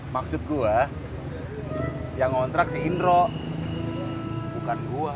maksud gue yang ngontrak si indro bukan gue